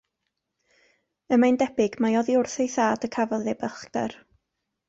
Y mae'n debyg mai oddi wrth ei thad y cafodd ei balchder.